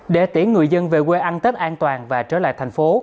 để tiễn người dân về quê ăn tết an toàn và trở lại thành phố